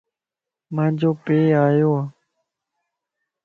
مانجو پي آيو ا